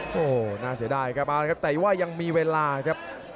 โหน่าเสียดายครับแต่ว่ายังมีเวลาครับ